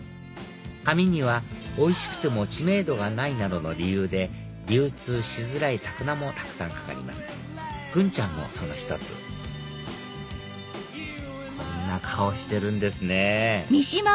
網にはおいしくても知名度がないなどの理由で流通しづらい魚もたくさん掛かりますグンちゃんもその１つこんな顔してるんですね